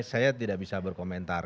saya tidak bisa berkomentar